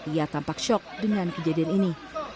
ia tampak shock dengan kejadian ini